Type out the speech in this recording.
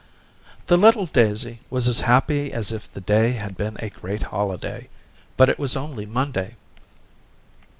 The little daisy was as happy as if the day had been a great holiday, but it was only Monday.